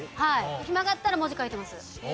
暇があったら文字書いてます。